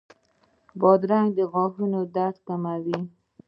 بادرنګ د غاښونو درد کموي.